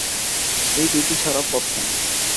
এই দুইটি ছাড়া পথ নাই।